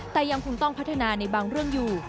แต่ยังคงต้องพัฒนาในบางเรื่องอยู่